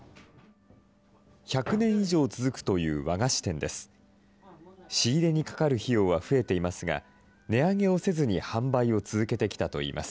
１００年以上続くという和菓子店です。